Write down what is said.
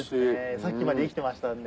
さっきまで生きてましたんで。